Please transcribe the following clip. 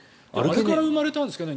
あれから生まれたんですかね